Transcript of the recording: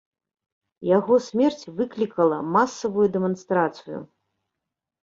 Яго смерць выклікала масавую дэманстрацыю.